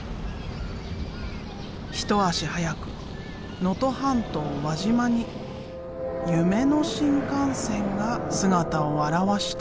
一足早く能登半島輪島に夢の新幹線が姿を現した。